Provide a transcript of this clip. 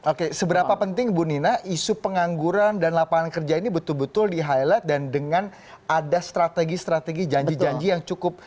oke seberapa penting bu nina isu pengangguran dan lapangan kerja ini betul betul di highlight dan dengan ada strategi strategi janji janji yang cukup